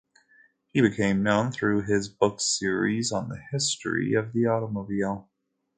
He became known through his book series on the history of the automobile.